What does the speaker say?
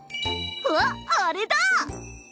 あっあれだ。